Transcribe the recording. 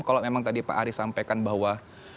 kalau memang tadi pak ari sampaikan bahwa